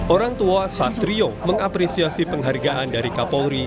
orang tua satrio mengapresiasi penghargaan dari kapolri